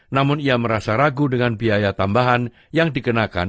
namun ia merasa ragu dengan biaya tambahan yang dikenakan